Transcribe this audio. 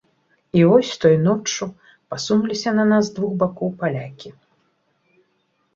І вось той ноччу пасунуліся на нас з двух бакоў палякі.